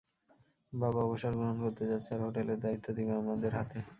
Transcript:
বাবা অবসর গ্রহণ করতে যাচ্ছে আর হোটেলের দায়িত্ব দিবে আমাদের হাতে।